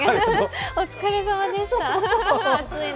お疲れさまでした、暑い中。